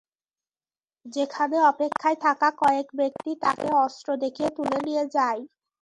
সেখানে অপেক্ষায় থাকা কয়েক ব্যক্তি তাঁকে অস্ত্র দেখিয়ে তুলে নিয়ে যায়।